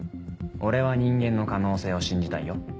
俺は人間の可能性を信じたいよ。